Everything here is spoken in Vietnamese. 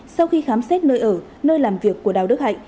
sau khi khám xét nơi ở nơi làm việc của đào đức hạnh